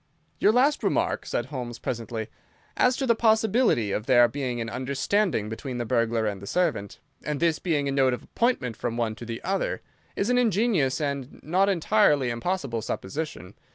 "Your last remark," said Holmes, presently, "as to the possibility of there being an understanding between the burglar and the servant, and this being a note of appointment from one to the other, is an ingenious and not entirely impossible supposition.